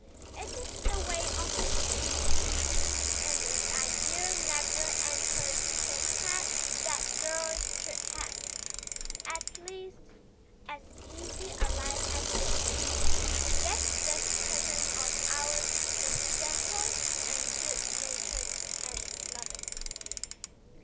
It is the way of his people, and the idea never entered his head that girls should have, at least, as easy a life as boys. Yet this cousin of ours is gentle and good natured and loving.